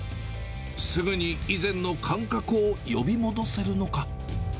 すぐに以前の感覚を呼び戻せるのか。